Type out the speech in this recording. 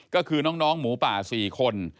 ก็คือน้องหมูป่า๔คน